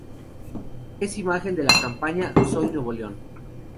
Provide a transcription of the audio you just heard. Es imagen de la campaña "Soy Nuevo León.